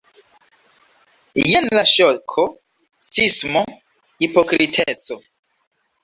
Jen la ŝoko, sismo, hipokriteco.